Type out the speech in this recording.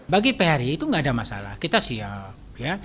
bagi phri itu nggak ada masalah kita siap